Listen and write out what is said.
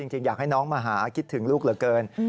จริงอยากให้น้องมาหาคิดถึงลูกเหลือเกิน